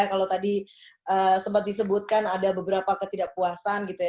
kalau tadi sempat disebutkan ada beberapa ketidakpuasan gitu ya